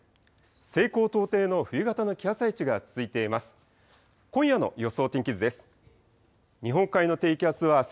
西高東低の冬型の気圧配置が続いています。